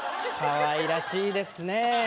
かわいらしいですねえ